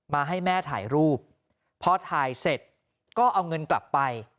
มาให้แม่ถ่ายรูปพอถ่ายเสร็จก็เอาเงินกลับไป